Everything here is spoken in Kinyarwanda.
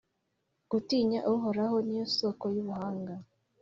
Gutinya Uhoraho ni yo soko y’ubuhanga